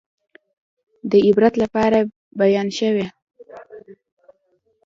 د عبرت لپاره بیان شوي.